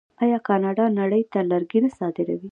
آیا کاناډا نړۍ ته لرګي نه صادروي؟